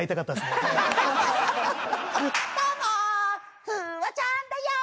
どうもフワちゃんだよ！